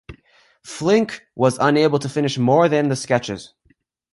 Flinck was unable to finish more than the sketches.